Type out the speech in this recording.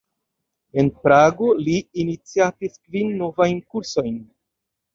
En Prago li iniciatis kvin novajn kursojn.